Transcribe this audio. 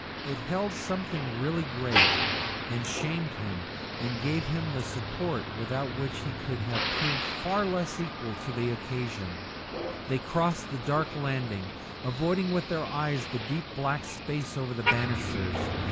It held something really great that shamed him and gave him the support without which he would have proved far less equal to the occasion. They crossed the dark landing, avoiding with their eyes the deep black space over the banisters.